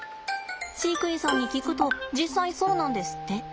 飼育員さんに聞くと実際そうなんですって。